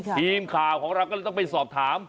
กินข้าวของเราก็จะไปสอบถาม